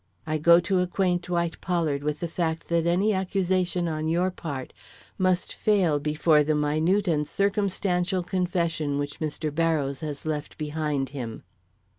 I go to acquaint Dwight Pollard with the fact that any accusation on your part must fail before the minute and circumstantial confession which Mr. Barrows has left behind him.